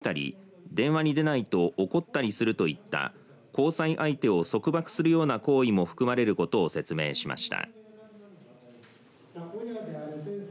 ＤＶには暴力だけでなく携帯電話を勝手に見たり電話に出ないと怒ったりするといった交際相手を束縛するような行為も含まれることを説明しました。